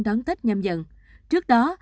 đón tết nhâm dần trước đó